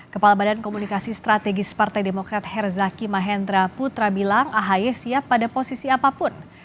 kepala badan komunikasi strategis partai demokrat herzaki mahendra putra bilang ahy siap pada posisi apapun